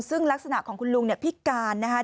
ซึ่งลักษณะของคุณลุงเนี่ยพิการนะคะ